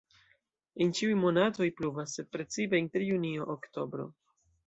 En ĉiuj monatoj pluvas, sed precipe inter junio-oktobro.